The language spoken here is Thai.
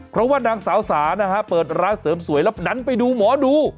เพราะว่านางสาวสานะฮะเปิดร้านเสริมสวยแล้วดันไปดูหมอดู